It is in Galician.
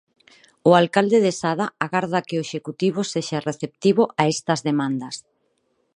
O alcalde de Sada agarda que o Executivo sexa receptivo a estas demandas.